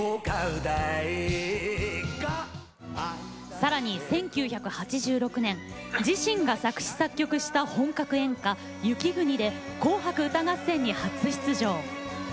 更に１９８６年自身が作詞・作曲した本格演歌「雪國」で「紅白歌合戦」に初出場。